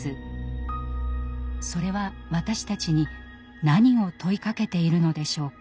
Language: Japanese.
それは私たちに何を問いかけているのでしょうか。